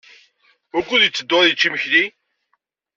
Wukud yetteddu ad yečč imekli?